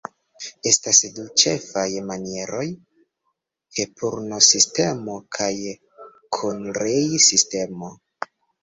Estas du ĉefaj manieroj: Hepurn-sistemo kaj Kunrei-sistemo.